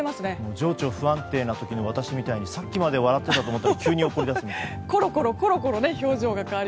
情緒不安定な時の私みたいにさっきまで笑っていたかと思ったら急に怒り出すみたいな。